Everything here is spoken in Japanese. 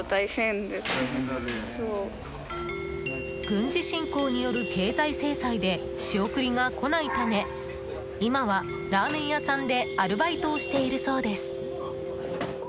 軍事侵攻による経済制裁で仕送りがこないため今はラーメン屋さんでアルバイトをしているそうです。